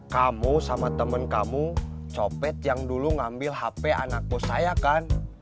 kamu sama temen kamu copet yang dulu ngambil hp anakku saya kan